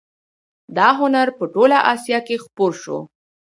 دا هنر په ټوله اسیا کې خپور شو